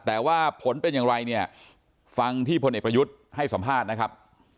แต่ว่าผลเป็นอย่างไรเนี่ยฟังที่พลเอกประยุทธ์ให้สัมภาษณ์นะครับ